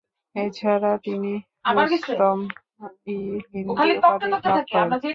এছাড়াও তিনি রুস্তম -ই-হিন্দ উপাধি লাভ করেন।